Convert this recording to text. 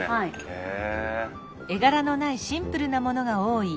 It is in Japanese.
へえ。